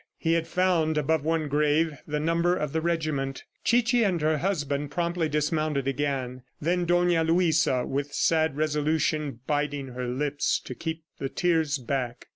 He had found above one grave the number of the regiment. Chichi and her husband promptly dismounted again. Then Dona Luisa, with sad resolution, biting her lips to keep the tears back.